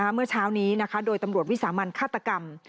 เมื่อเช้านี้โดยตำรวจวิสามันฆาตกรรม